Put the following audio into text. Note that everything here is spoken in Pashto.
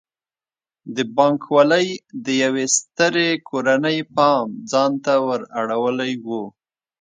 د بانک والۍ د یوې سترې کورنۍ پام ځان ته ور اړولی و.